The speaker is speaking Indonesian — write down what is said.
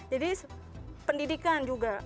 jadi pendidikan juga